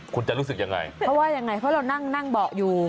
คุณจะรู้สึกยังไงเพราะว่ายังไงเพราะเรานั่งนั่งเบาะอยู่